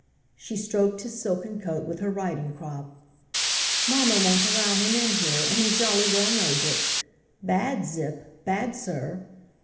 She stroked his silken coat with her riding crop. *' Mamma won't allow him in here, and he jolly well knows it. Bad Zip, bad, sir